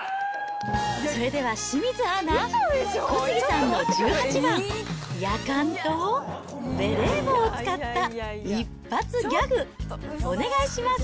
それでは清水アナ、小杉さんの十八番、やかんとベレー帽を使った一発ギャグ、お願いします。